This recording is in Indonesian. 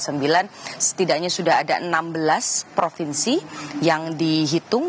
setidaknya sudah ada enam belas provinsi yang dihitung